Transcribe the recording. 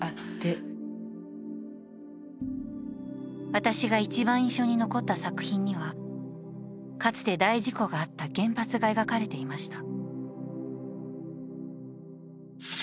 私が一番印象に残った作品にはかつて大事故があった原発が描かれていました。